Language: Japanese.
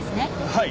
はい。